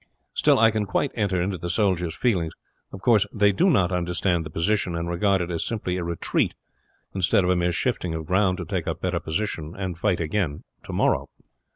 Still I can quite enter into the soldier's feelings. Of course they do not understand the position, and regard it as simply a retreat instead of a mere shifting of ground to take up better position and fight again to morrow.